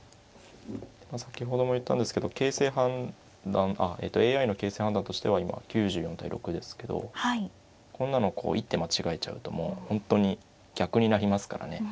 先ほども言ったんですけど形勢判断あＡＩの形勢判断としては今９４対６ですけどこんなの一手間違えちゃうともう本当に逆になりますからね。